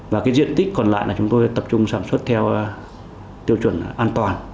và cái diện tích còn lại là chúng tôi tập trung sản xuất theo tiêu chuẩn an toàn